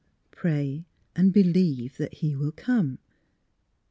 " Pray and believe that he will come.